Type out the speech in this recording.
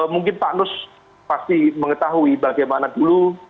mungkin pak nus pasti mengetahui bagaimana dulu